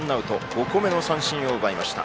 ５個目の三振を奪いました。